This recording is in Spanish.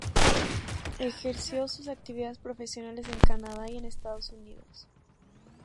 Ejerció sus actividades profesionales en Canadá y en Estados Unidos.